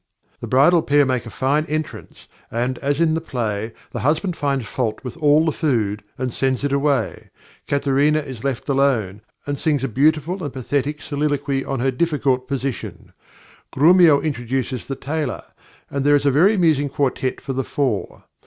The bridal pair make a fine entrance, and, as in the play, the husband finds fault with all the food, and sends it away. Katharina is left alone, and sings a beautiful and pathetic soliloquy on her difficult position. Grumio introduces the Tailor, and there is a very amusing quartet for the four.